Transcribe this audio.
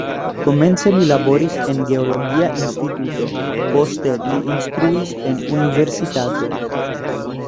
Komence li laboris en geologia instituto, poste li instruis en universitato.